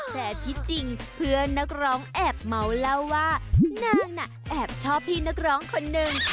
แต่ที่จริงเพื่อนนักร้องแอบเมาเล่าว่านางน่ะแอบชอบพี่นักร้องคนหนึ่ง